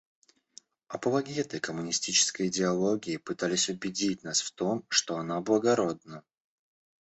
Апологеты коммунистической идеологии пытались убедить нас в том, что она благородна.